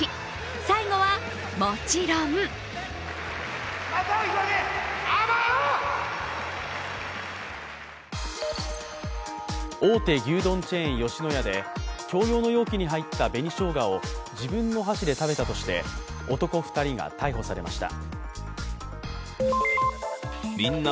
最後はもちろん大手牛丼チェーン、吉野家で共用の容器に入った紅しょうがを自分の箸で食べたとして男２人が逮捕されました。